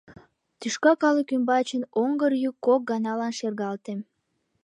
Тӱшка калык ӱмбачын оҥгыр йӱк кок ганалан шергалте.